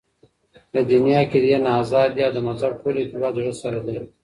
دديني عقيدي نه ازاد دي او دمذهب ټول ارتباط دزړه سره دى .